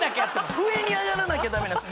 上に上がらなきゃダメなんです